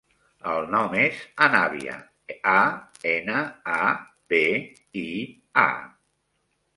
El nom és Anabia: a, ena, a, be, i, a.